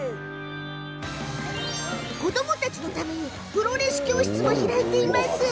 子どもたちのためプロレス教室も開いています。